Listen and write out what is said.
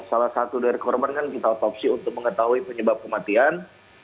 salah satu dari korban kan kita otopsi untuk mengetahui penyebab kematian